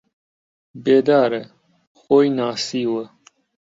بێدارە، خۆی ناسیوە